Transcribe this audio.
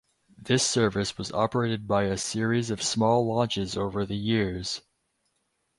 This service was operated by a series of small launches over the years.